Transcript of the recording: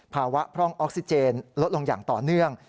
พร่องออกซิเจนลดลงอย่างต่อเนื่อง